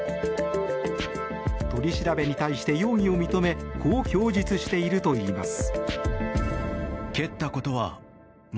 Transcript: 取り調べに対して容疑を認めこう供述しているといいます。